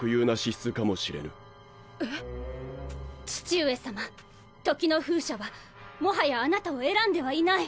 父上様時の風車はもはやあなたを選んではいない。